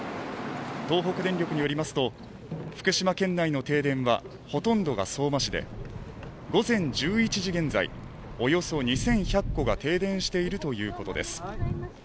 東北電力によりますと福島県内の停電はほとんどが相馬市で午前１１時現在およそ２１００戸が停電しているということです